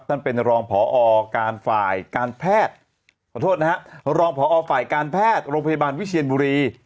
นั่นเป็นรองผอการฝ่ายการแพทย์รองพยาบาลวิเชียนบุรี